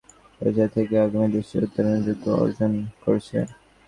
ইতিমধ্যে বাংলাদেশ স্বল্পোন্নত দেশের পর্যায় থেকে উন্নয়নশীল দেশে উত্তরণের যোগ্যতা অর্জন করেছে।